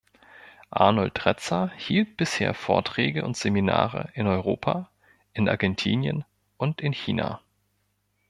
Arnold Retzer hielt bisher Vorträge und Seminare in Europa, in Argentinien und in China.